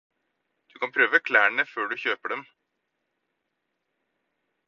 Du kan prøve klærne før du kjøper dem.